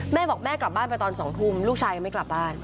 แม่บอกแม่กลับบ้านไปตอน๒ทุ่มลูกชายยังไม่กลับบ้าน